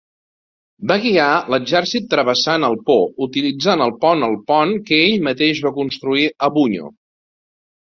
Va guiar l'exèrcit travessant el Po utilitzant el pont el pont que ell mateix va construir a Bugno.